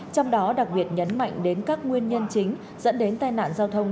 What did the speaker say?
trong đó đặc biệt nhấn mạnh đến các nguyên nhân chính dẫn đến tai nạn giao thông